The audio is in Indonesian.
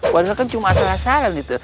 padahal kan cuma asal asalan gitu